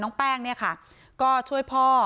แป้งเนี่ยค่ะก็ช่วยพ่อ